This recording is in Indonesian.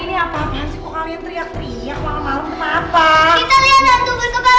ini apaan sih kok kalian teriak teriak malem malem kenapa